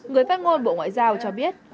người phát ngôn bộ ngoại giao cho biết